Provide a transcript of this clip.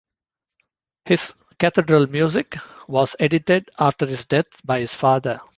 His "Cathedral Music" was edited after his death by his father.